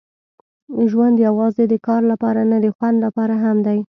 ژوند یوازې د کار لپاره نه، د خوند لپاره هم دی.